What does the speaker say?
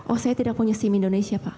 oh saya tidak punya sim indonesia pak